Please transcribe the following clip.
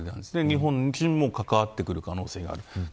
日本も関わってくる可能性がある。